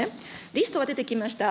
リストが出てきました。